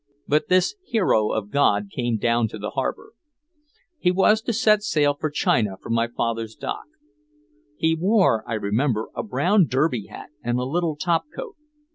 But this hero of God came down to the harbor. He was to sail for China from my father's dock. He wore, I remember, a brown derby hat and a little top coat.